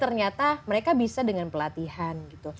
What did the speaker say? ternyata mereka bisa dengan pelatihan gitu